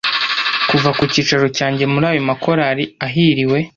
Kuva ku cyicaro cyanjye muri ayo makorari ahiriwe